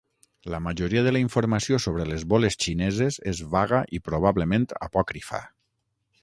La majoria de la informació sobre les boles xineses és vaga i probablement apòcrifa.